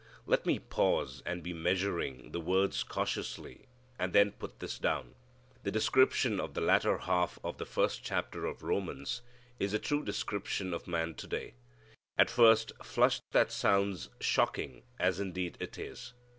Let me pause and be measuring the words cautiously and then put this down: the description of the latter half of the first chapter of Romans is a true description of man to day. At first flush that sounds shocking, as indeed it is.